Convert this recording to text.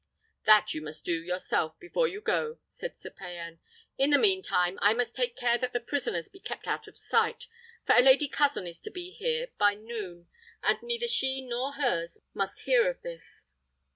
"That you must do yourself before you go," said Sir Payan. "In the mean time, I must take care that the prisoners be kept out of sight, for a lady cousin is to be here by noon, and neither she nor hers must hear of this.